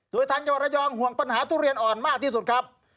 โดยทางจังหวัดระยองห่วงปัญหาทุเรียนอ่อนมากที่สุดครับ